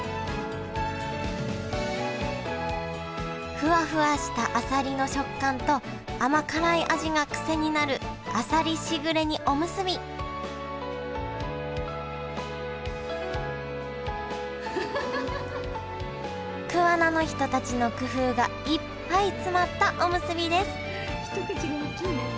ふわふわしたあさりの食感と甘辛い味が癖になるあさりしぐれ煮おむすび桑名の人たちの工夫がいっぱい詰まったおむすびです